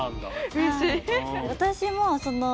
うれしい。